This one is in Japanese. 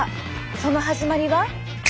その始まりは。